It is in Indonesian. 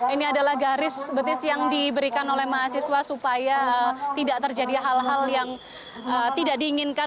ini adalah garis betis yang diberikan oleh mahasiswa supaya tidak terjadi hal hal yang tidak diinginkan